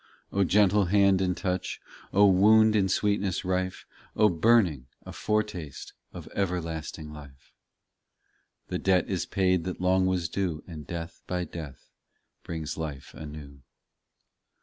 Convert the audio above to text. O gentle hand and touch, O wound in sweetness rife, O burning, a foretaste Of everlasting life. The debt is paid that long was due, And death by death brings life anew.